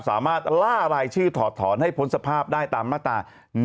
สามารถล่าลายชื่อถอดถอนให้ผลสภาพได้ตามมาตรา๑๖๔